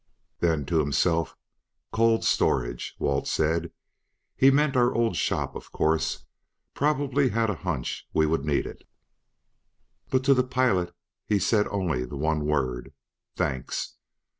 Then to himself: "'Cold storage,' Walt said; he meant our old shop, of course. Probably had a hunch we would need it." But to the pilot he said only the one word: "Thanks!"